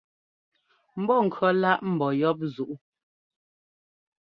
Mbɔ́kʉ̈ laʼ mbɔ́ yɔ́p zuʼú.